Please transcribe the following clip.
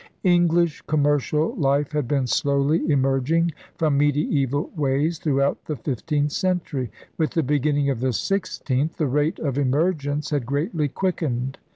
English commercial life had been slowly emerg ing from mediaeval ways throughout the fifteenth century. With the beginning of the sixteenth 56 ELIZABETHAN SEA DOGS the rate of emergence had greatly quickened.